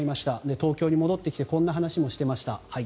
東京に戻ってきてこんな話もしていました。